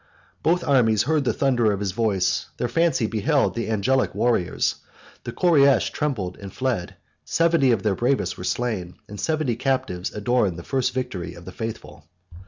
Both armies heard the thunder of his voice: their fancy beheld the angelic warriors: 131 the Koreish trembled and fled: seventy of the bravest were slain; and seventy captives adorned the first victory of the faithful.